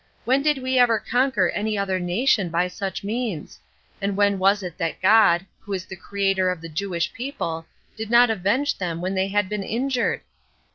When did we ever conquer any other nation by such means? and when was it that God, who is the Creator of the Jewish people, did not avenge them when they had been injured?